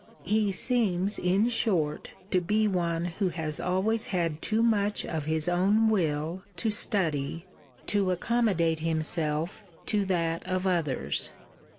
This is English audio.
He seems, in short, to be one, who has always had too much of his own will to study to accommodate himself to that of others.